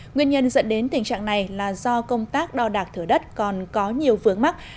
nguyên nhân dẫn đến tình trạng này là do công tác đo đạc thửa đất còn có nhiều vướng mắt